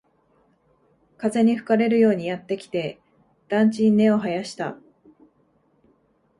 風に吹かれるようにやってきて、団地に根を生やした